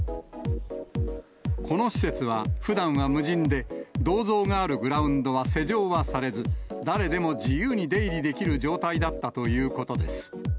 この施設は、ふだんは無人で、銅像があるグラウンドは施錠はされず、誰でも自由に出入りできる状態だったということです。